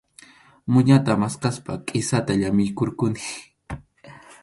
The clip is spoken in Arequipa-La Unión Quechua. Muñata maskaspa kisata llamiykurquni.